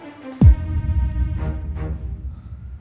gue gak tau